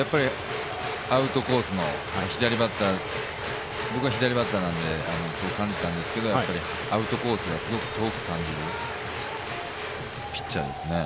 アウトコースの左バッター、僕は左バッターなんでそう感じたんですけど、アウトコースがすごく遠く感じるピッチャーですね。